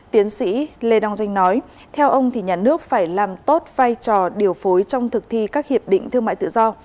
tiến sĩ lê đăng doanh nói theo ông thì nhà nước phải làm tốt vai trò điều phối trong thực thi các hiệp định thương mại tự do